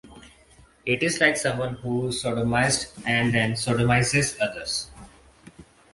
It is like someone who is sodomised and then sodomises others.